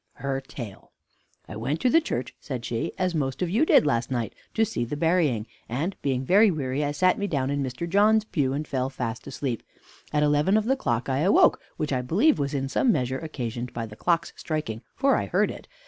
HER TALE "I went to the church," said she, "as most of you did last night, to see the burying, and, being very weary, I sat me down in Mr. Johns's pew, and fell fast asleep. At eleven of the clock I awoke; which I believe was in some measure occasioned by the clock's striking, for I heard it.